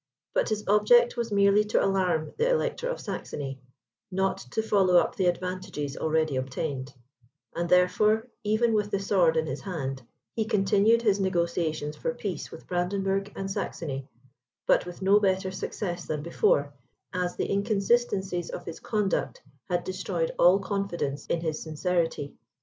But his object was merely to alarm the Elector of Saxony, not to follow up the advantages already obtained; and therefore, even with the sword in his hand, he continued his negociations for peace with Brandenburg and Saxony, but with no better success than before, as the inconsistencies of his conduct had destroyed all confidence in his sincerity.